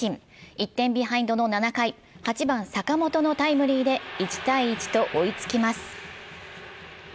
１点ビハインドの７回、８番・坂本のタイムリーで１−１と追いつきます。